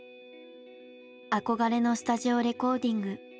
憧れのスタジオレコーディング。